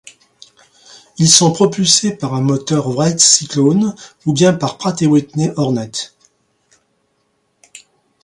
Ils sont propulsés par un moteur Wright Cyclone ou bien Pratt & Whitney Hornet.